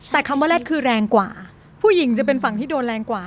แต่คำว่าแรดคือแรงกว่าผู้หญิงจะเป็นฝั่งที่โดนแรงกว่า